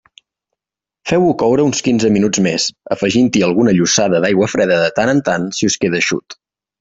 Feu-ho coure uns quinze minuts més, afegint-hi alguna llossada d'aigua freda de tant en tant si us queda eixut.